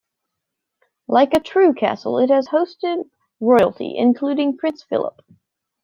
Like a true castle, it has hosted royalty including Prince Philip.